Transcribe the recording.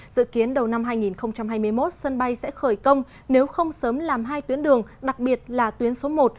dự kiến đầu năm hai nghìn hai mươi một sân bay sẽ khởi công nếu không sớm làm hai tuyến đường đặc biệt là tuyến số một